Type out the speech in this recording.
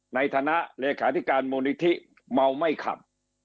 ในฐานะเลขาธิการมูลนิธิเมาไม่ขับ